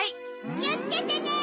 きをつけてね！